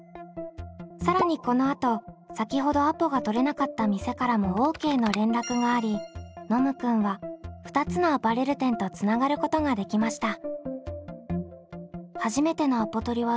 更にこのあと先ほどアポが取れなかった店からもＯＫの連絡がありノムくんは２つのアパレル店とつながることができました。